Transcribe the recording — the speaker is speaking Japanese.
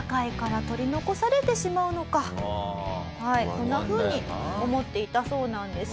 こんなふうに思っていたそうなんです。